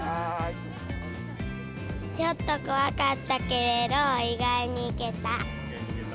ちょっと怖かったけれど、意外にいけた。